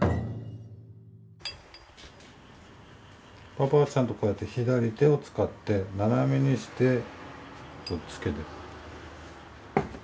パパはちゃんとこうやって左手を使って斜めにしてこうつけてる。